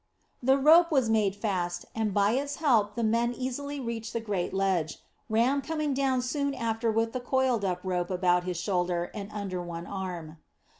The rope was made fast, and by its help the men easily reached the great ledge, Ram coming down soon after with the coiled up rope about his shoulder and under one arm.